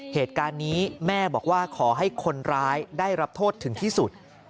เหตุการณ์นี้แม่บอกว่าขอให้คนร้ายได้รับโทษถึงที่สุด